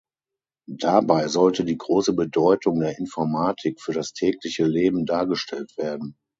Dabei sollte die große Bedeutung der Informatik für das tägliche Leben dargestellt werden.